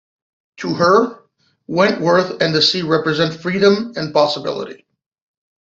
To her, Wentworth and the sea represent freedom and possibility.